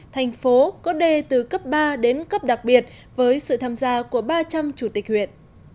thành phố có đề từ cấp ba đến cấp đặc biệt với sự tham gia của ba trăm linh chủ tịch huyện